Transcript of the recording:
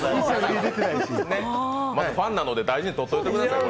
ファンなので大事にとっといてください。